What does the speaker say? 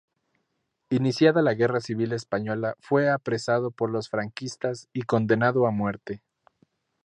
Iniciada la Guerra Civil española fue apresado por los franquistas y condenado a muerte.